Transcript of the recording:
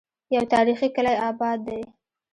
يو تاريخي کلے اباد دی